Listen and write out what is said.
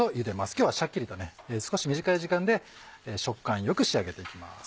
今日はシャッキリと少し短い時間で食感よく仕上げていきます。